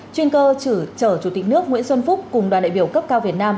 chuyên cơ chở chủ tịch nước nguyễn xuân phúc cùng đoàn đại biểu cấp cao việt nam